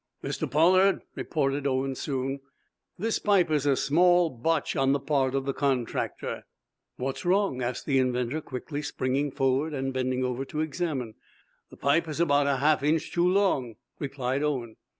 "Mr. Pollard," reported Owen, soon, "this pipe is a small botch on the part of the contractor." "What's wrong" asked the inventor, quickly, springing forward and bending over to examine. "The pipe is about a half inch too long," replied Owen.